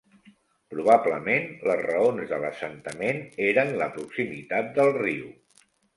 Probablement les raons de l'assentament eren la proximitat del riu.